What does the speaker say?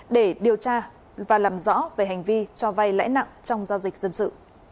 để điều tra và làm rõ về hành vi cho vay lãi nặng trong giao dịch dân sự